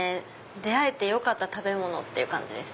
出会えてよかった食べ物っていう感じです。